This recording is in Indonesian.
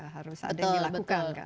harus ada yang dilakukan kan